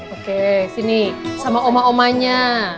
oke sini sama oma omanya